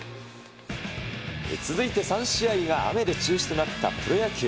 続いて３試合が雨で中止となったプロ野球。